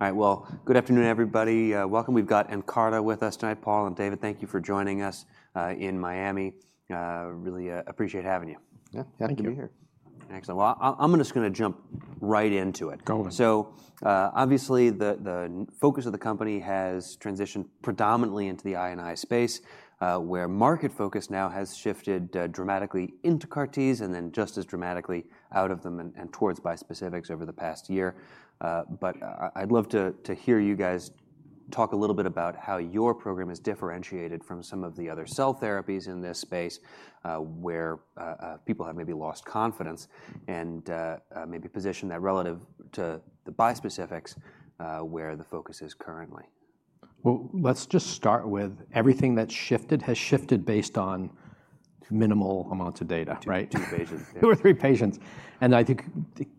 All right, well, good afternoon, everybody. Welcome. We've got Nkarta with us tonight, Paul. And David, thank you for joining us in Miami. Really appreciate having you. Yeah, happy to be here. Excellent. Well, I'm just going to jump right into it. Go with it. So, obviously, the focus of the company has transitioned predominantly into the I&I space, where market focus now has shifted dramatically into CAR-Ts, and then just as dramatically out of them and towards bispecifics over the past year. But I'd love to hear you guys talk a little bit about how your program has differentiated from some of the other cell therapies in this space, where people have maybe lost confidence and maybe position that relative to the bispecifics, where the focus is currently. Let's just start with everything that's shifted has shifted based on minimal amounts of data. Two patients. Two or three patients. I think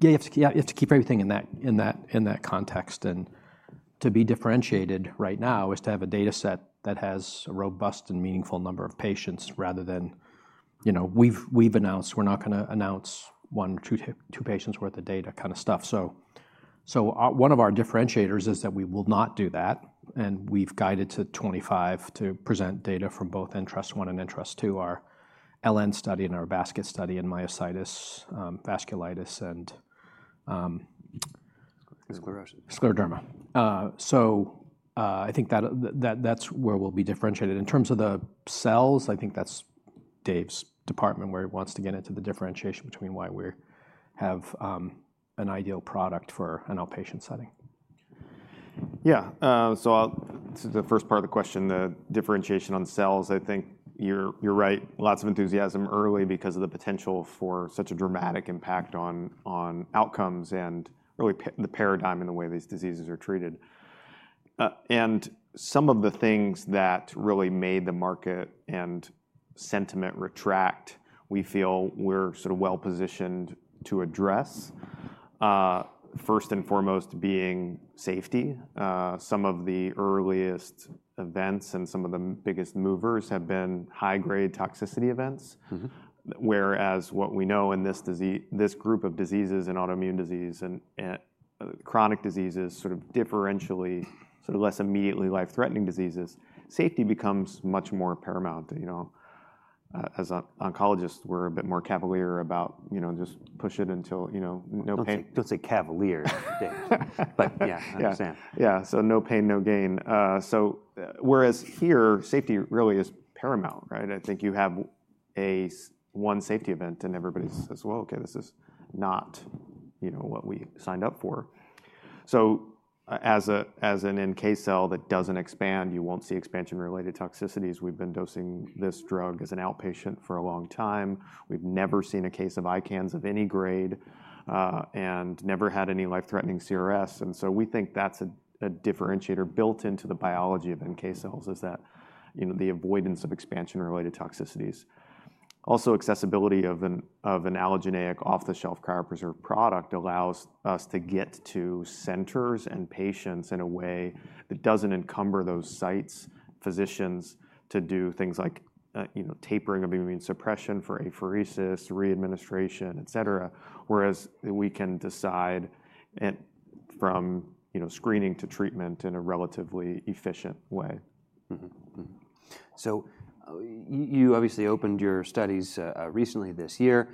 you have to keep everything in that context. To be differentiated right now is to have a dataset that has a robust and meaningful number of patients rather than we've announced we're not going to announce one or two patients' worth of data kind of stuff. One of our differentiators is that we will not do that. We've guided to 25 to present data from both Ntrust-1 and Ntrust-2, our LN study and our basket study in myositis, vasculitis, and. Sclerosis. Scleroderma. So I think that's where we'll be differentiated. In terms of the cells, I think that's Dave's department, where he wants to get into the differentiation between why we have an ideal product for an outpatient setting. Yeah. So to the first part of the question, the differentiation on cells, I think you're right. Lots of enthusiasm early because of the potential for such a dramatic impact on outcomes and the paradigm in the way these diseases are treated, and some of the things that really made the market and sentiment retract, we feel we're sort of well-positioned to address, first and foremost being safety. Some of the earliest events and some of the biggest movers have been high-grade toxicity events, whereas what we know in this group of diseases and autoimmune disease and chronic diseases, sort of differentially, sort of less immediately life-threatening diseases, safety becomes much more paramount. As an oncologist, we're a bit more cavalier about just push it until no pain. Don't say cavalier, Dave. But yeah, I understand. Yeah. So no pain, no gain. So whereas here, safety really is paramount, right? I think you have one safety event, and everybody says, well, OK, this is not what we signed up for. So as an NK cell that doesn't expand, you won't see expansion-related toxicities. We've been dosing this drug as an outpatient for a long time. We've never seen a case of ICANS of any grade and never had any life-threatening CRS. And so we think that's a differentiator built into the biology of NK cells, is that the avoidance of expansion-related toxicities. Also, accessibility of an allogeneic off-the-shelf cryopreserved product allows us to get to centers and patients in a way that doesn't encumber those sites, physicians, to do things like tapering of immune suppression for apheresis, readministration, et cetera, whereas we can decide from screening to treatment in a relatively efficient way. So you obviously opened your studies recently this year.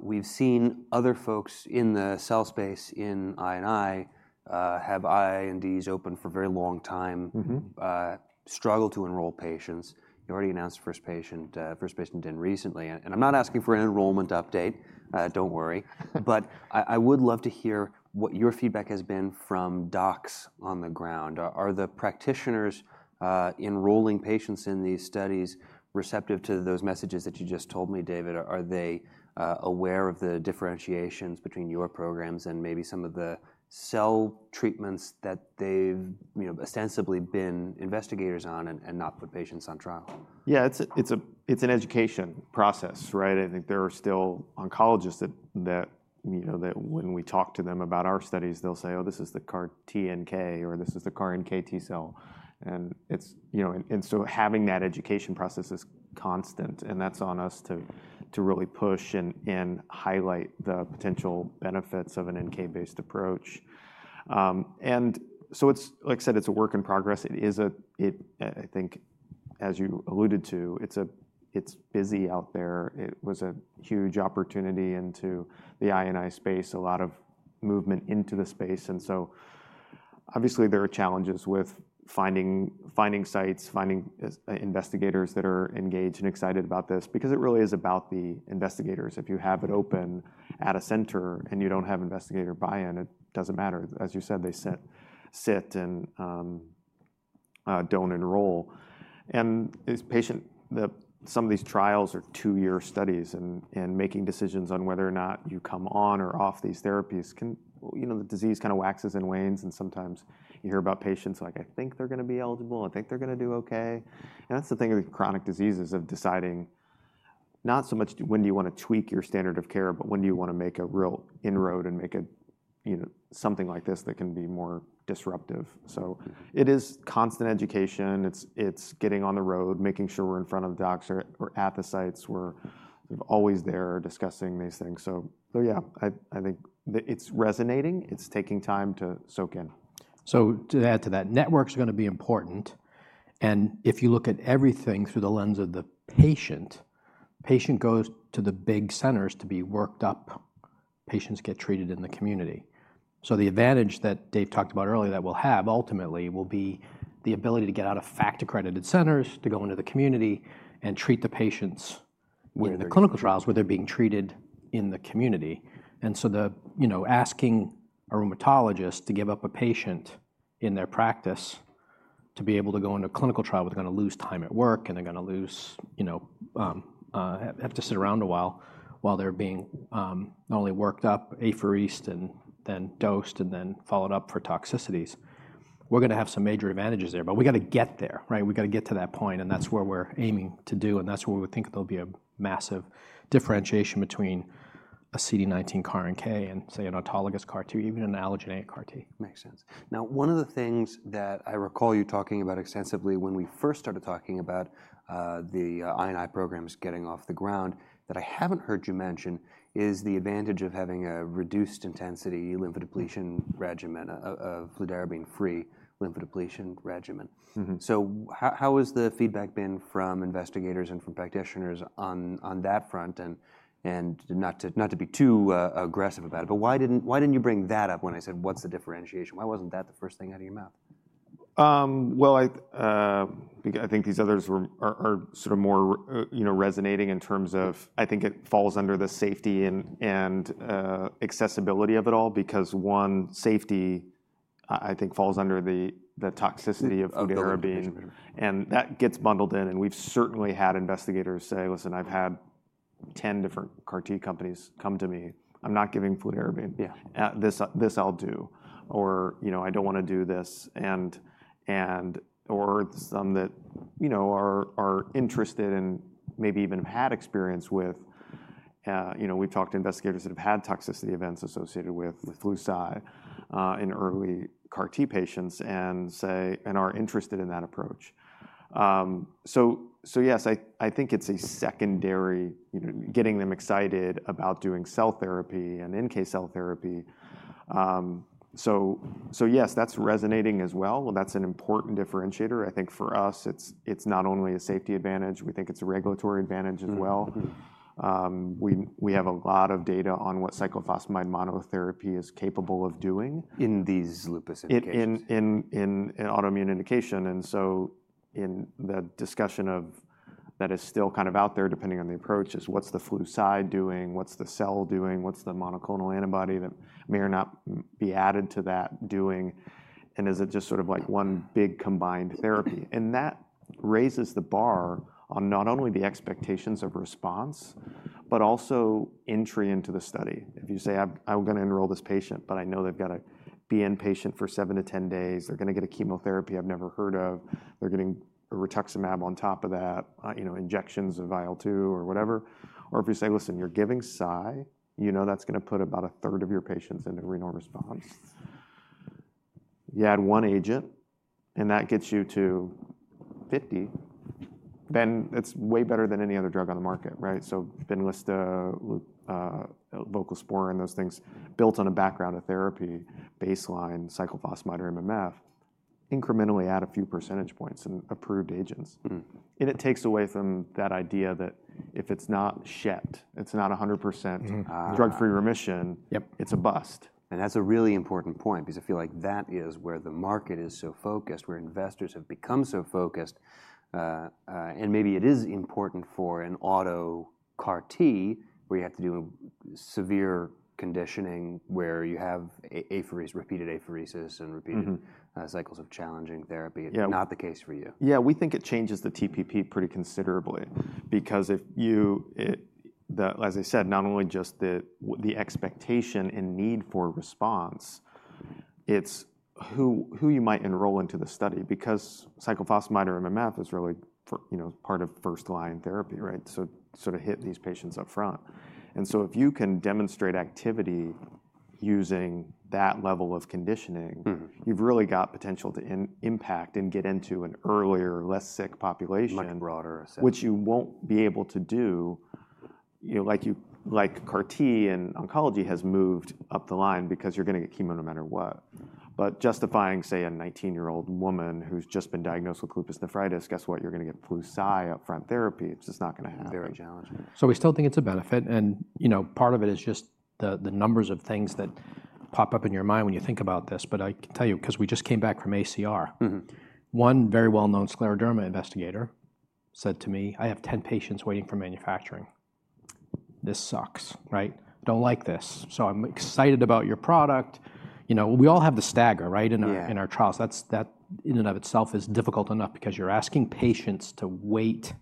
We've seen other folks in the cell space in I&I have INDs open for a very long time, struggle to enroll patients. You already announced first patient in recently. And I'm not asking for an enrollment update. Don't worry. But I would love to hear what your feedback has been from docs on the ground. Are the practitioners enrolling patients in these studies receptive to those messages that you just told me, David? Are they aware of the differentiations between your programs and maybe some of the cell treatments that they've ostensibly been investigators on and not put patients on trial? Yeah, it's an education process, right? I think there are still oncologists that when we talk to them about our studies, they'll say, oh, this is the CAR-T NK, or this is the CAR-NK T cell. And so having that education process is constant. And that's on us to really push and highlight the potential benefits of an NK-based approach. And so like I said, it's a work in progress. It is, I think, as you alluded to, it's busy out there. It was a huge opportunity into the I&I space, a lot of movement into the space. And so obviously, there are challenges with finding sites, finding investigators that are engaged and excited about this, because it really is about the investigators. If you have it open at a center and you don't have investigator buy-in, it doesn't matter. As you said, they sit and don't enroll. And some of these trials are two-year studies. And making decisions on whether or not you come on or off these therapies can, the disease kind of waxes and wanes. And sometimes you hear about patients like, I think they're going to be eligible. I think they're going to do OK. And that's the thing with chronic diseases of deciding not so much when do you want to tweak your standard of care, but when do you want to make a real inroad and make something like this that can be more disruptive. So it is constant education. It's getting on the road, making sure we're in front of the docs. We're at the sites. We're always there discussing these things. So yeah, I think it's resonating. It's taking time to soak in. So to add to that, networks are going to be important. And if you look at everything through the lens of the patient, the patient goes to the big centers to be worked up. Patients get treated in the community. So the advantage that Dave talked about earlier that we'll have ultimately will be the ability to get out of FACT-accredited centers to go into the community and treat the patients with their clinical trials where they're being treated in the community. And so asking a rheumatologist to give up a patient in their practice to be able to go into a clinical trial is going to lose time at work, and they're going to have to sit around a while while they're being not only worked up, apheresed, and then dosed, and then followed up for toxicities. We're going to have some major advantages there. But we've got to get there, right? We've got to get to that point. And that's where we're aiming to do. And that's where we think there'll be a massive differentiation between a CD19 CAR-NK and, say, an autologous CAR-T, even an allogeneic CAR-T. Makes sense. Now, one of the things that I recall you talking about extensively when we first started talking about the I&I programs getting off the ground that I haven't heard you mention is the advantage of having a reduced-intensity lymphodepletion regimen, a fludarabine-free lymphodepletion regimen. So how has the feedback been from investigators and from practitioners on that front? And not to be too aggressive about it, but why didn't you bring that up when I said, what's the differentiation? Why wasn't that the first thing out of your mouth? I think these others are sort of more resonating in terms of I think it falls under the safety and accessibility of it all, because one, safety, I think, falls under the toxicity of fludarabine. And that gets bundled in. And we've certainly had investigators say, listen, I've had 10 different CAR-T companies come to me. I'm not giving fludarabine. This I'll do. Or I don't want to do this. And/or some that are interested and maybe even have had experience with we've talked to investigators that have had toxicity events associated with Flu/Cy in early CAR-T patients and are interested in that approach. So yes, I think it's a secondary getting them excited about doing cell therapy and NK cell therapy. So yes, that's resonating as well. That's an important differentiator. I think for us, it's not only a safety advantage. We think it's a regulatory advantage as well. We have a lot of data on what Cyclophosphamide monotherapy is capable of doing. In these lupus indications. In autoimmune indication. And so in the discussion of that is still kind of out there, depending on the approach, is what's the Flu/Cy doing? What's the cell doing? What's the monoclonal antibody that may or not be added to that doing? And is it just sort of like one big combined therapy? And that raises the bar on not only the expectations of response, but also entry into the study. If you say, I'm going to enroll this patient, but I know they've got to be inpatient for seven to 10 days. They're going to get a chemotherapy I've never heard of. They're getting rituximab on top of that, injections of IL-2 or whatever. Or if you say, listen, you're giving Cy, you know that's going to put about 1/3 of your patients into renal response. You add one agent, and that gets you to 50, then it's way better than any other drug on the market, right? So Benlysta, voclosporin, and those things built on a background of therapy, baseline cyclophosphamide or MMF, incrementally add a few percentage points and approved agents. And it takes away from that idea that if it's not Schett, it's not 100% drug-free remission, it's a bust. And that's a really important point, because I feel like that is where the market is so focused, where investors have become so focused. And maybe it is important for an auto CAR-T, where you have to do severe conditioning, where you have repeated apheresis and repeated cycles of challenging therapy. Not the case for you. Yeah, we think it changes the TPP pretty considerably, because if you, as I said, not only just the expectation and need for response, it's who you might enroll into the study, because cyclophosphamide or MMF is really part of first-line therapy, right? So to hit these patients up front. And so if you can demonstrate activity using that level of conditioning, you've really got potential to impact and get into an earlier, less sick population. Like broader assessment. Which you won't be able to do like CAR-T in oncology has moved up the line, because you're going to get chemo no matter what. But justifying, say, a 19-year-old woman who's just been diagnosed with lupus nephritis, guess what? You're going to get Flu/Cy up-front therapy. It's just not going to happen. Very challenging. So we still think it's a benefit. And part of it is just the numbers of things that pop up in your mind when you think about this. But I can tell you, because we just came back from ACR, one very well-known scleroderma investigator said to me, "I have 10 patients waiting for manufacturing. This sucks, right? Don't like this. So I'm excited about your product." We all have the stagger, right, in our trials. That in and of itself is difficult enough, because you're asking patients to wait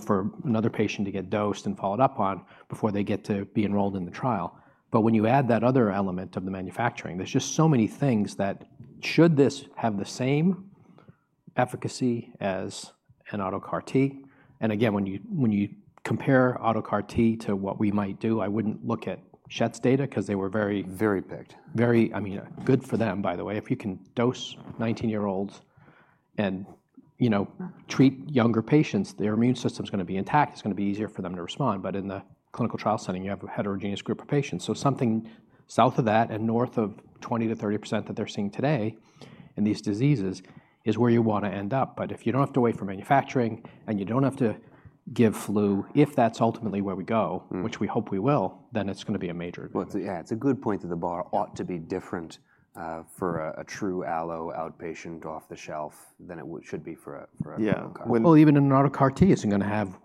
for another patient to get dosed and followed up on before they get to be enrolled in the trial. But when you add that other element of the manufacturing, there's just so many things. Should this have the same efficacy as an auto CAR-T? And again, when you compare auto CAR-T to what we might do, I wouldn't look at Schett's data, because they were very. Very picked. Very, I mean, good for them, by the way. If you can dose 19-year-olds and treat younger patients, their immune system is going to be intact. It's going to be easier for them to respond. But in the clinical trial setting, you have a heterogeneous group of patients. So something south of that and north of 20%-30% that they're seeing today in these diseases is where you want to end up. But if you don't have to wait for manufacturing, and you don't have to give flu, if that's ultimately where we go, which we hope we will, then it's going to be a major. Yeah, it's a good point that the bar ought to be different for a true allo outpatient off the shelf than it should be for a CAR-T. Yeah. Well, even an autologous CAR-T isn't going to have.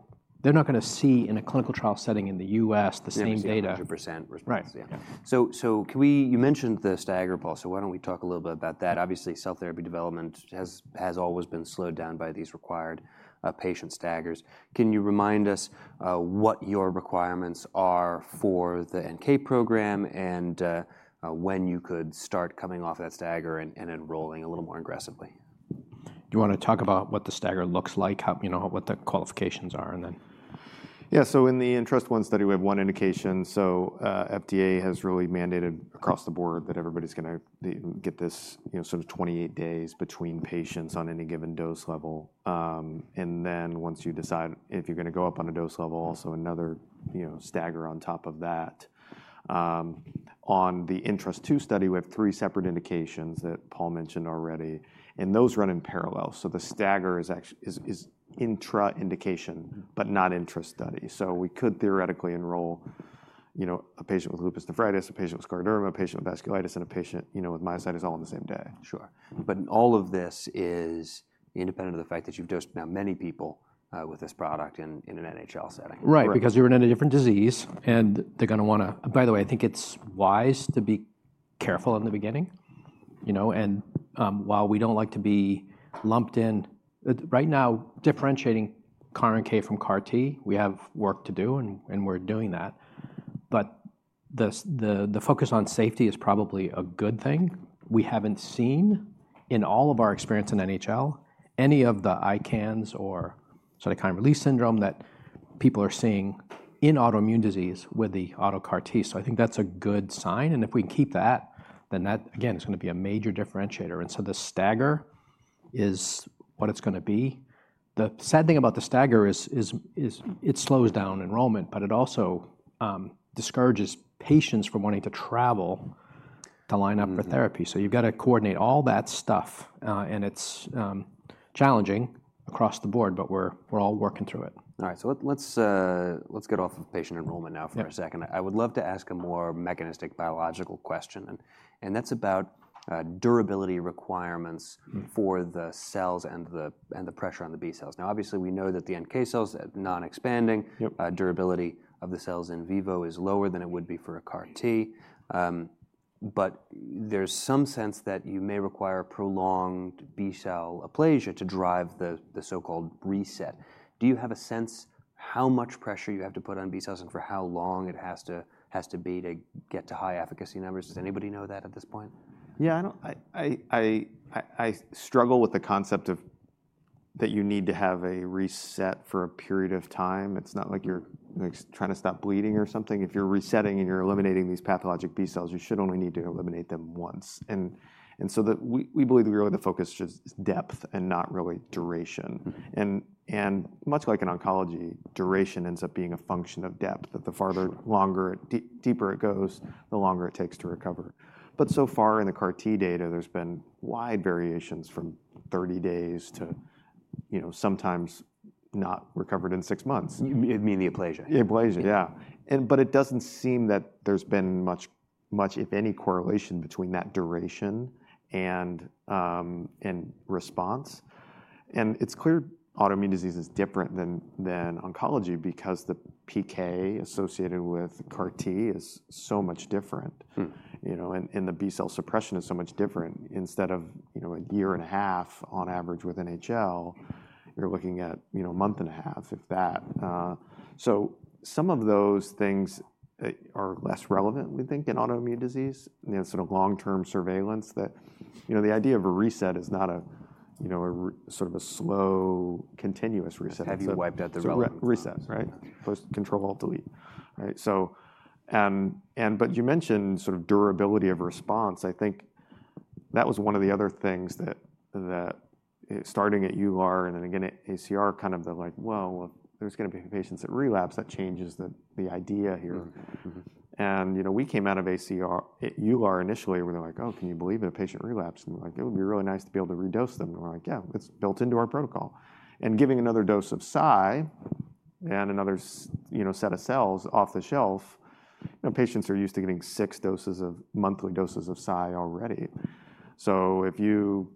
They're not going to see in a clinical trial setting in the U.S. the same data. The same 100% response, yeah. So you mentioned the stagger pulse. So why don't we talk a little bit about that? Obviously, cell therapy development has always been slowed down by these required patient staggers. Can you remind us what your requirements are for the NK program and when you could start coming off that stagger and enrolling a little more aggressively? Do you want to talk about what the stagger looks like, what the qualifications are and then? Yeah, so in the Ntrust-1 study, we have one indication. So FDA has really mandated across the board that everybody's going to get this sort of 28 days between patients on any given dose level. And then once you decide if you're going to go up on a dose level, also another stagger on top of that. On the Ntrust-2 study, we have three separate indications that Paul mentioned already. And those run in parallel. So the stagger is intra-indication, but not Ntrust-2. So we could theoretically enroll a patient with lupus nephritis, a patient with scleroderma, a patient with vasculitis, and a patient with myositis all on the same day. Sure. But all of this is independent of the fact that you've dosed now many people with this product in an NHL setting. Right, because you're in a different disease, and they're going to want to, by the way, I think it's wise to be careful in the beginning, and while we don't like to be lumped in right now, differentiating CAR-NK from CAR-T, we have work to do, and we're doing that, but the focus on safety is probably a good thing. We haven't seen, in all of our experience in NHL, any of the ICANS or cytokine release syndrome that people are seeing in autoimmune disease with the auto CAR-T, so I think that's a good sign, and if we can keep that, then that, again, is going to be a major differentiator, and so the stagger is what it's going to be. The sad thing about the stagger is it slows down enrollment, but it also discourages patients from wanting to travel to line up for therapy. So you've got to coordinate all that stuff. And it's challenging across the board, but we're all working through it. All right, so let's get off of patient enrollment now for a second. I would love to ask a more mechanistic biological question, and that's about durability requirements for the cells and the pressure on the B cells. Now, obviously, we know that the NK cells are non-expanding. Durability of the cells in vivo is lower than it would be for a CAR-T, but there's some sense that you may require prolonged B-cell aplasia to drive the so-called reset. Do you have a sense how much pressure you have to put on B cells and for how long it has to be to get to high efficacy numbers? Does anybody know that at this point? Yeah, I struggle with the concept that you need to have a reset for a period of time. It's not like you're trying to stop bleeding or something. If you're resetting and you're eliminating these pathologic B cells, you should only need to eliminate them once, and so we believe really the focus is depth and not really duration, and much like in oncology, duration ends up being a function of depth. The farther, longer, deeper it goes, the longer it takes to recover, but so far in the CAR-T data, there's been wide variations from 30 days to sometimes not recovered in six months. You mean the aplasia? The aplasia, yeah. But it doesn't seem that there's been much, if any, correlation between that duration and response. And it's clear autoimmune disease is different than oncology, because the PK associated with CAR-T is so much different. And the B-cell suppression is so much different. Instead of a year and a half, on average, with NHL, you're looking at a month and a half, if that. So some of those things are less relevant, we think, in autoimmune disease. And it's sort of long-term surveillance that the idea of a reset is not sort of a slow, continuous reset. A heavy wipe at the relevance. Reset, right? Control, delete. But you mentioned sort of durability of response. I think that was one of the other things that starting at EULAR and then again at ACR, kind of they're like, well, there's going to be patients that relapse. That changes the idea here. And we came out of EULAR initially, we were like, oh, can you believe in a patient relapse? And we're like, it would be really nice to be able to redose them. And we're like, yeah, it's built into our protocol. And giving another dose of Cy and another set of cells off the shelf, patients are used to getting six monthly doses of Cy already. So if you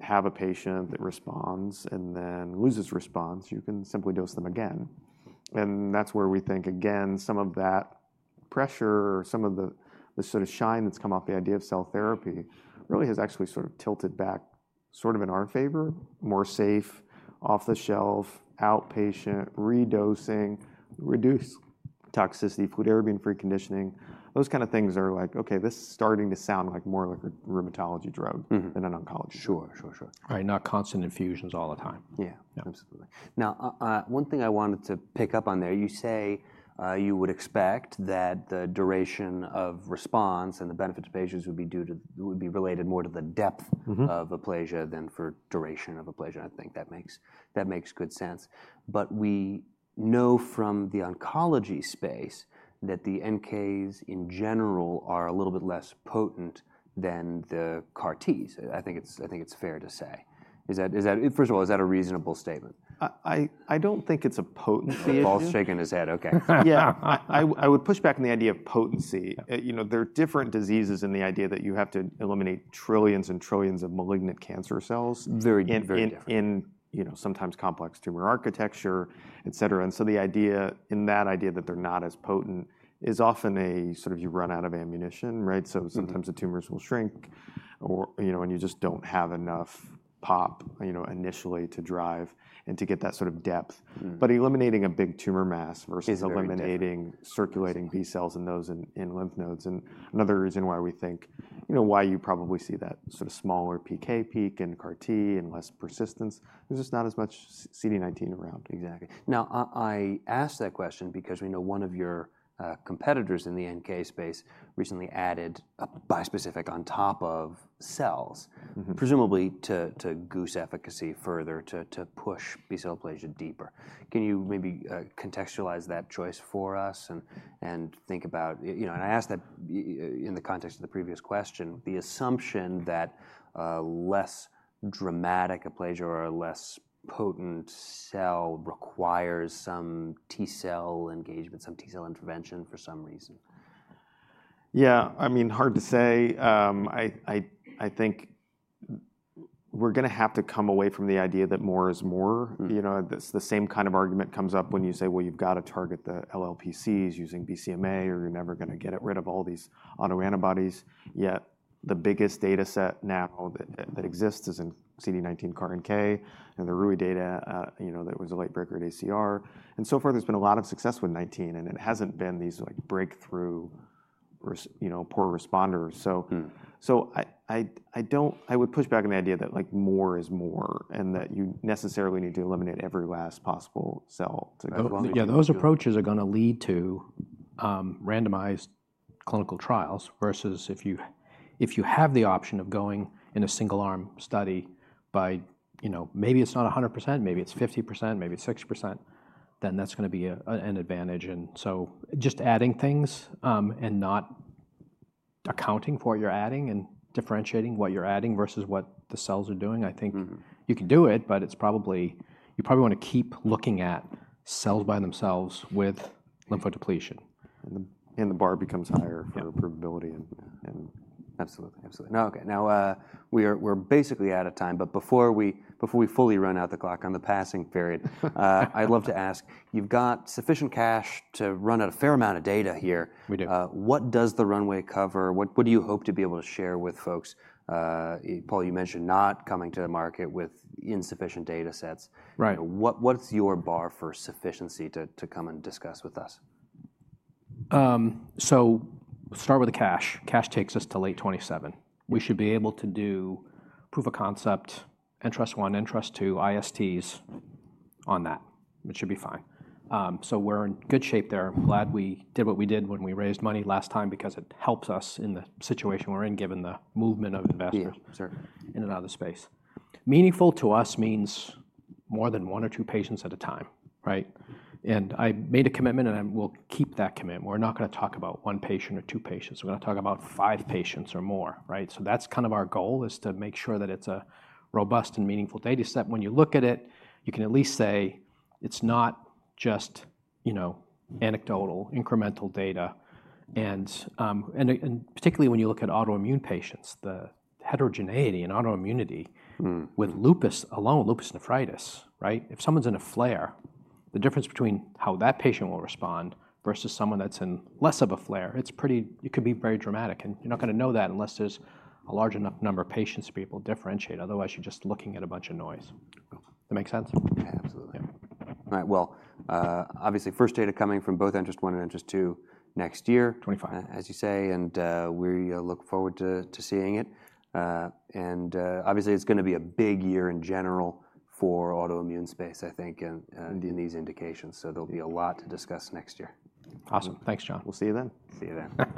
have a patient that responds and then loses response, you can simply dose them again. That's where we think, again, some of that pressure, some of the sort of shine that's come off the idea of cell therapy really has actually sort of tilted back sort of in our favor, more safe, off the shelf, outpatient, redosing, reduce toxicity, fludarabine free conditioning. Those kind of things are like, OK, this is starting to sound like more like a rheumatology drug than an oncology. Sure, sure, sure. Right, not constant infusions all the time. Yeah, absolutely. Now, one thing I wanted to pick up on there, you say you would expect that the duration of response and the benefit to patients would be related more to the depth of aplasia than for duration of aplasia. I think that makes good sense. But we know from the oncology space that the NKs, in general, are a little bit less potent than the CAR-Ts. I think it's fair to say. First of all, is that a reasonable statement? I don't think it's a potency issue. Paul's shaking his head, OK. Yeah, I would push back on the idea of potency. There are different diseases in the idea that you have to eliminate trillions and trillions of malignant cancer cells. Very different. And sometimes complex tumor architecture, et cetera. And so the idea in that idea that they're not as potent is often a sort of you run out of ammunition, right? So sometimes the tumors will shrink, and you just don't have enough pop initially to drive and to get that sort of depth. But eliminating a big tumor mass versus eliminating circulating B cells and those in lymph nodes, and another reason why we think why you probably see that sort of smaller PK peak in CAR-T and less persistence. There's just not as much CD19 around. Exactly. Now, I asked that question because we know one of your competitors in the NK space recently added a bispecific on top of cells, presumably to goose efficacy further, to push B-cell aplasia deeper. Can you maybe contextualize that choice for us and think about and I asked that in the context of the previous question, the assumption that less dramatic aplasia or less potent cell requires some T-cell engagement, some T-cell intervention for some reason? Yeah, I mean, hard to say. I think we're going to have to come away from the idea that more is more. The same kind of argument comes up when you say, well, you've got to target the LLPCs using BCMA, or you're never going to get rid of all these autoantibodies. Yet the biggest data set now that exists is in CD19 CAR-NK and the Ruijin data that was a late-breaker at ACR. And so far, there's been a lot of success with 19, and it hasn't been these breakthrough poor responders. So I would push back on the idea that more is more and that you necessarily need to eliminate every last possible cell to go along with it. Yeah, those approaches are going to lead to randomized clinical trials versus if you have the option of going in a single-arm study by maybe it's not 100%, maybe it's 50%, maybe it's 60%, then that's going to be an advantage. And so just adding things and not accounting for what you're adding and differentiating what you're adding versus what the cells are doing, I think you can do it, but you probably want to keep looking at cells by themselves with lymphodepletion. The bar becomes higher for provability. Absolutely, absolutely. Now, we're basically out of time. But before we fully run out the clock on the passing period, I'd love to ask, you've got sufficient cash to run out a fair amount of data here? We do. What does the runway cover? What do you hope to be able to share with folks? Paul, you mentioned not coming to the market with insufficient data sets. What's your bar for sufficiency to come and discuss with us? So start with the cash. Cash takes us to late 2027. We should be able to do proof of concept, Ntrust-1, Ntrust-2, ISTs on that. It should be fine. So we're in good shape there. Glad we did what we did when we raised money last time, because it helps us in the situation we're in, given the movement of investors in and out of the space. Meaningful to us means more than one or two patients at a time, right? And I made a commitment, and I will keep that commitment. We're not going to talk about one patient or two patients. We're going to talk about five patients or more, right? So that's kind of our goal, is to make sure that it's a robust and meaningful data set. When you look at it, you can at least say it's not just anecdotal, incremental data. Particularly when you look at autoimmune patients, the heterogeneity in autoimmunity with lupus alone, lupus nephritis, right? If someone's in a flare, the difference between how that patient will respond versus someone that's in less of a flare, it could be very dramatic. You're not going to know that unless there's a large enough number of patients to be able to differentiate. Otherwise, you're just looking at a bunch of noise. That make sense? Absolutely. All right, well, obviously, first data coming from both Ntrust-1 and Ntrust-2 next year. 2025. As you say, and we look forward to seeing it. And obviously, it's going to be a big year in general for autoimmune space, I think, in these indications. So there'll be a lot to discuss next year. Awesome. Thanks, John. We'll see you then. See you then.